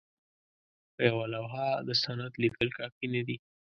په یوه لوحه د سند لیکل کافي نه دي.